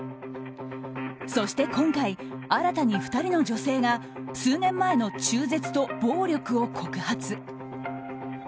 そして今回、新たに２人の女性が数年前の中絶と暴力を告発。